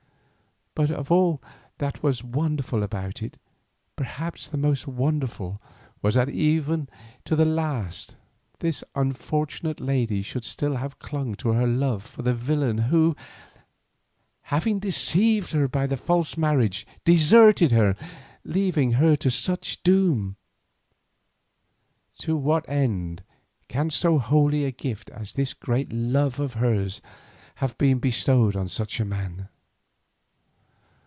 But of all that was wonderful about it perhaps the most wonderful was that even to the last this unfortunate lady should still have clung to her love for the villain who, having deceived her by a false marriage, deserted her, leaving her to such a doom. To what end can so holy a gift as this great love of hers have been bestowed on such a man?